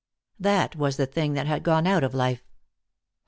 That was the thing that had gone out of life.